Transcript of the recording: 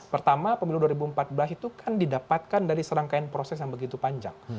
pertama pemilu dua ribu empat belas itu kan didapatkan dari serangkaian proses yang begitu panjang